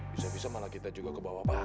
bisa bisa malah kita juga kebawa bawa